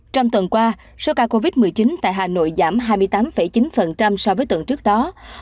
trong tuần qua số ca covid một mươi chín tại hà nội giảm hai mươi tám chín so với tuần trước đó